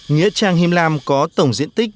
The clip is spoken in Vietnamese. nghĩa trang him lam có tổng diện tích là một bảy hectare